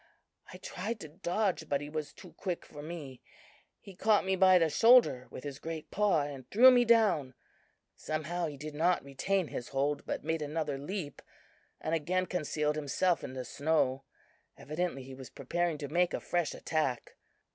I tried to dodge, but he was too quick for me. He caught me by the shoulder with his great paw, and threw me down. Somehow, he did not retain his hold, but made another leap and again concealed himself in the snow. Evidently he was preparing to make a fresh attack.